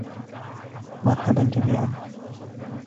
مرحباً جميعاً!